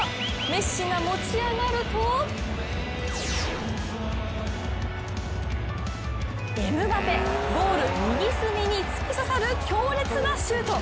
メッシが持ち上がるとエムバペ、ゴール右隅に突き刺さる強烈なシュート。